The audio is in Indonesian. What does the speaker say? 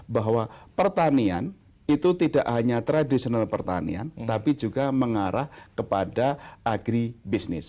bahwa pertanian itu tidak hanya tradisional pertanian tapi juga mengarah kepada agribisnis